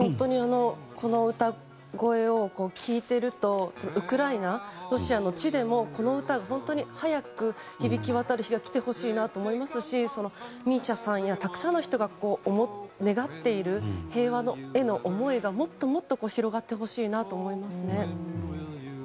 この歌声を聴いてるとウクライナ、ロシアの地でもこの歌が早く響き渡る日が来てほしいと思いますしＭＩＳＩＡさんやたくさんの人が願っている平和への思いがもっともっと広がってほしいなと思いますね。